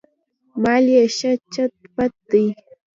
مال یې ښه چت پت دی.